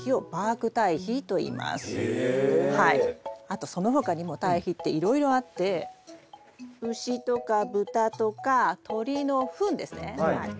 あとその他にも堆肥っていろいろあって牛とか豚とか鶏のふんですね。はい。